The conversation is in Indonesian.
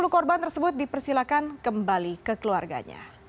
satu ratus sepuluh korban tersebut dipersilakan kembali ke keluarganya